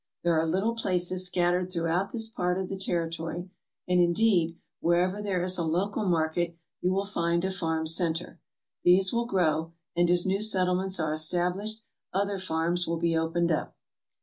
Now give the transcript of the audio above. There are little places scattered throughout this part of the territory and, indeed, wherever there is a local market you will find a farm centre. These will grow, and as new settlements are established other farms will be opened up."